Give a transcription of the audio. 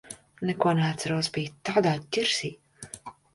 Neko neatceros. Biju tādā ķirsī.